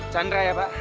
chandra ya pak